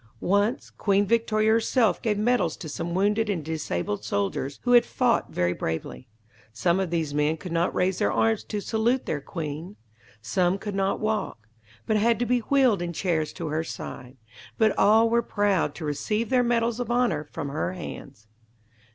Once, Queen Victoria herself gave medals to some wounded and disabled soldiers who had fought very bravely. Some of these men could not raise their arms to salute their queen; some could not walk, but had to be wheeled in chairs to her side; but all were proud to receive their medals of honour from her hands.